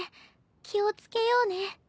気を付けようね。